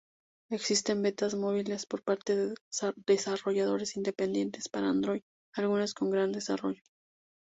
Existen betas móviles por parte de desarrolladores independientes para Android algunas con gran desarrollo.